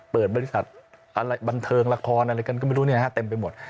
เปิดบริษัทอะไรบันเทิงละครอะไรกันก็ไม่รู้เต็มไปหมด